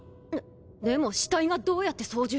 でも死体がどうやって操縦して。